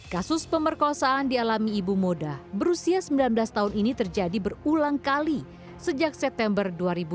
kasus pemerkosaan dialami ibu moda berusia sembilan belas tahun ini terjadi berulang kali sejak september dua ribu dua puluh